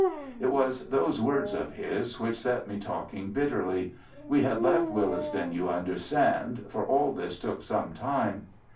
"It was those words of his which set me talking bitterly. We had left Willesden, you understand, for all this took some time.